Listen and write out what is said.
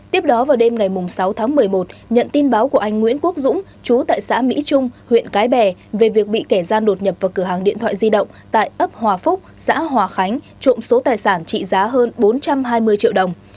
tiếp đó vào đêm ngày sáu tháng một mươi một nhận tin báo của anh nguyễn quốc dũng chú tại xã mỹ trung huyện cái bè về việc bị kẻ gian đột nhập vào cửa hàng điện thoại di động tại ấp hòa phúc xã hòa khánh trộm số tài sản trị giá hơn bốn trăm hai mươi triệu đồng